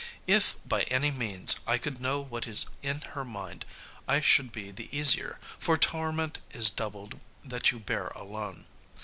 If by any means I could know what is in her mind, I should be the easier, for torment is doubled that you bear alone.